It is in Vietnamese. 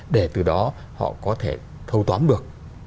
để từ đó họ có thể thâu tóm được